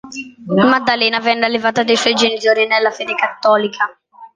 Maddalena venne allevata dai suoi genitori nella fede cattolica.